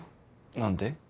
何で？